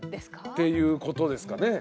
っていうことですかね。